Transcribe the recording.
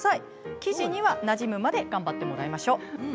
生地には、なじむまで頑張ってもらいましょう。